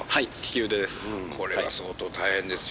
これは相当大変ですよ。